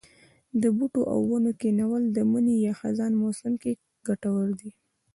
د بوټو او ونو کښېنول د مني یا خزان موسم کې کټور دي.